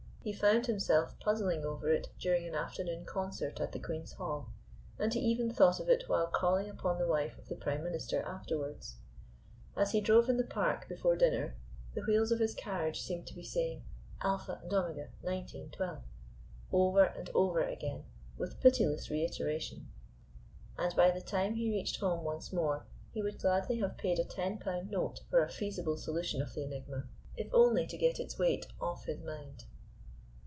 He found himself puzzling over it during an afternoon concert at the Queen's Hall, and he even thought of it while calling upon the wife of the Prime Minister afterwards. As he drove in the Park before dinner, the wheels of his carriage seemed to be saying "Alpha and Omega, nineteen, twelve" over and over again with pitiless reiteration, and by the time he reached home once more he would gladly have paid a ten pound note for a feasible solution of the enigma, if only to get its weight off his mind.